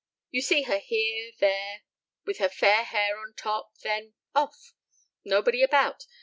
You see her here, there, with her fair hair on top, then off! Nobody about.